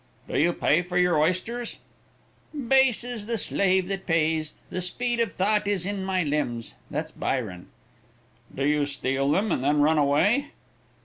"Do you pay for your oysters?" "Base is the slave that pays; the speed of thought is in my limbs. That's Byron." "Do you steal them and then run away?"